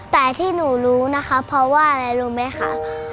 แต่ที่หนูรู้นะคะเพราะว่าอะไรรู้ไหมคะ